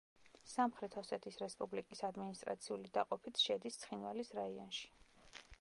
სამხრეთ ოსეთის რესპუბლიკის ადმინისტრაციული დაყოფით შედის ცხინვალის რაიონში.